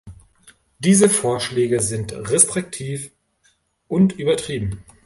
Diese Vorschläge sind restriktiv und übertrieben.